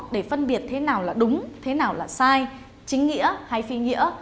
để phân biệt thế nào là đúng thế nào là sai chính nghĩa hay phi nghĩa